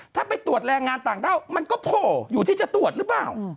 ถ้าไปตรวจแรงงานต่างด้าวมันก็โผล่อยู่ที่จะตรวจหรือเปล่า